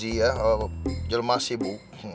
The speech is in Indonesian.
saya juga sibuk ya